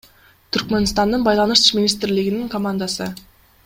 Түркмөнстандын Байланыш министрлигинин командасы.